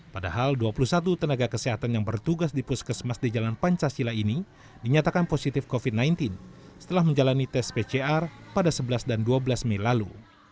padahal dua puluh satu tenaga kesehatan yang bertugas di puskesmas di jalan pancasila ini dinyatakan positif covid sembilan belas setelah menjalani tes pcr pada sebelas dan dua belas mei lalu